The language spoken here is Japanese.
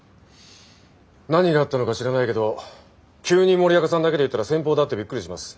何があったのか知らないけど急に森若さんだけで行ったら先方だってびっくりします。